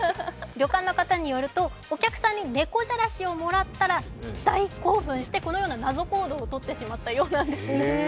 旅館の方によると、お客さんにねこじゃらしをもらったら、大興奮してこのような謎行動をしてしまったそうなんです。